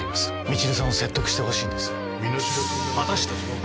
未知留さんを説得してほしいんです